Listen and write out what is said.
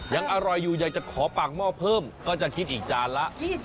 ยังอร่อยอยู่อยากจะขอปากหม้อเพิ่มก็จะคิดอีกจานละ